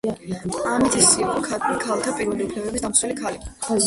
ამით ის იყო ქალთა პირველი უფლებების დამცველი ქალი.